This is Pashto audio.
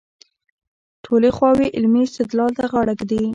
ټولې خواوې علمي استدلال ته غاړه کېږدي.